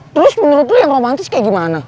terus menurut tuh yang romantis kayak gimana